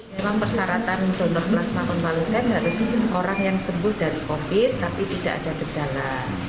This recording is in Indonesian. plasma konvalesen harus orang yang sembuh dari covid sembilan belas tapi tidak ada gejala